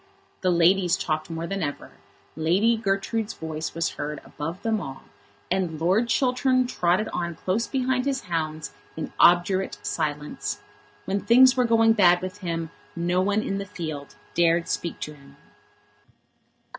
The ladies talked more than ever, Lady Gertrude's voice was heard above them all, and Lord Chiltern trotted on close behind his hounds in obdurate silence. When things were going bad with him no one in the field dared to speak to him.